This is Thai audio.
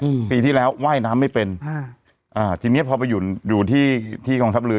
อืมปีที่แล้วว่ายน้ำไม่เป็นอ่าอ่าทีเนี้ยพอไปอยู่อยู่ที่ที่กองทัพเรือ